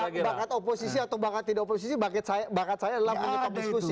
jadi bakat oposisi atau bakat tidak oposisi bakat saya adalah menyetop diskusi